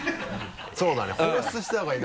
そうだね放出したほうがいい。